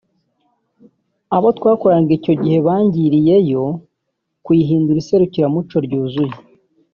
Abo twakoranaga icyo gihe bangiriye yo kuyihindura iserukiramuco ryuzuye